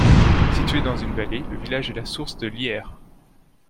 Situé dans une vallée, le village est la source de l'Yères.